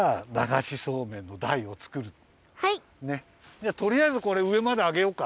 じゃあとりあえずこれうえまであげようか。